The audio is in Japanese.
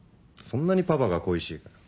そんなにパパが恋しいかよ。